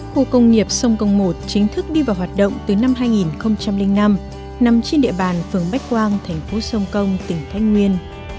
khu công nghiệp sông công một chính thức đi vào hoạt động từ năm hai nghìn năm nằm trên địa bàn phường bách quang thành phố sông công tỉnh thái nguyên